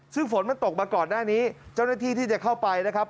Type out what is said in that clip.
ซึ่งฝนมันตกมาก่อนหน้านี้เจ้าหน้าที่ที่จะเข้าไปนะครับ